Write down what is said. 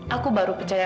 aku baru percaya